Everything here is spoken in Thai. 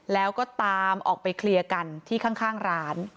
แล้วก็ตามออกไปเคลียร์กันที่ข้างร้าน